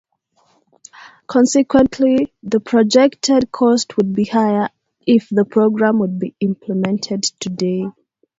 Consequently, the projected cost would be higher if the program would be implemented today.